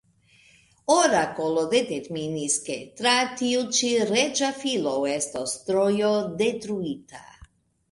Orakolo determinis, ke tra tiu ĉi reĝa filo estos Trojo detruita.